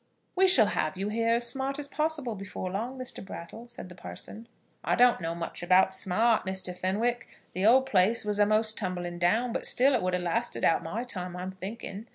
"We shall have you here as smart as possible before long, Mr. Brattle," said the parson. "I don't know much about smart, Muster Fenwick. The old place was a'most tumbling down, but still it would have lasted out my time, I'm thinking.